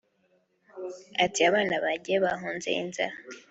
Ati “Abana bagiye bahunze inzara